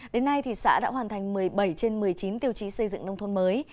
đến nay xã đã hoàn thành một mươi bảy trên một mươi chín tiêu chí xây dựng nông thôn mới